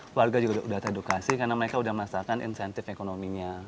keluarga juga sudah teredukasi karena mereka sudah memasakkan insentif ekonominya